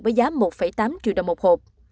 với giá một tám triệu đồng một hộp